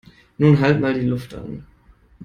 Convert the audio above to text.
Nun halt mal die Luft an!